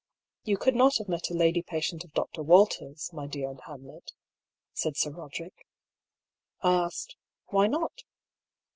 "You could not have met a lady patient of Dr. Walters', my dear Hamlet," said Sir Koderick. I asked, " Why not